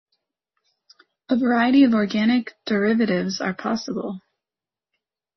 A variety of organic derivatives are possible.